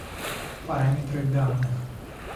Параметры данных